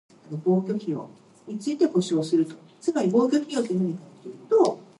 Three isoforms have three binding domains and the other three have four binding domains.